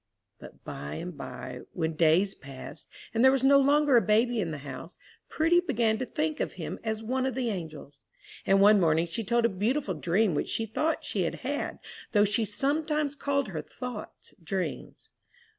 But by and by, when days passed, and there was no longer a baby in the house, Prudy began to think of him as one of the angels. And one morning she told a beautiful dream which she thought she had had, though she sometimes called her thoughts dreams.